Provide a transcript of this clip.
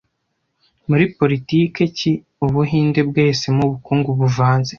Muri politiki ki Ubuhinde bwahisemo 'Ubukungu buvanze'